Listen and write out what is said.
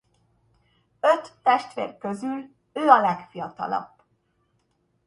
Öt testvér közül ő a legfiatalabb.